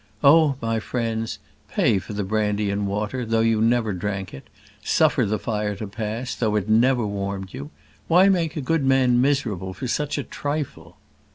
Oh! my friends, pay for the brandy and water, though you never drank it; suffer the fire to pass, though it never warmed you. Why make a good man miserable for such a trifle?